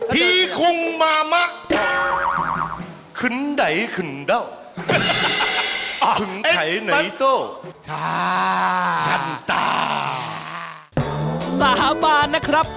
แต่ว่าติ๊งยากครับ